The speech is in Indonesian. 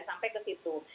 sampai ke situ